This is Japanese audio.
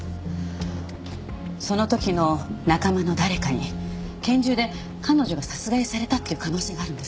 その時の仲間の誰かに拳銃で彼女が殺害されたっていう可能性があるんです。